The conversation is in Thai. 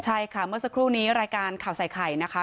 ใช่ค่ะเมื่อสักครู่นี้รายการข่าวใส่ไข่นะคะ